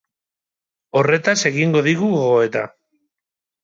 Horretaz egingo digu gogoeta.